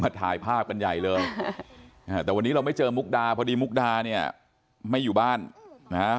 ถ่ายภาพกันใหญ่เลยแต่วันนี้เราไม่เจอมุกดาพอดีมุกดาเนี่ยไม่อยู่บ้านนะฮะ